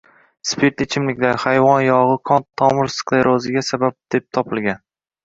Spirtli ichimliklar, hayvon yog‘i qon-tomir skleroziga sabab deb topilgan.